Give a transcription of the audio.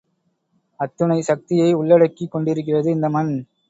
அத்துணை சக்தியை உள்ளடக்கிக் கொண்டிருக்கிறது இந்த மண்.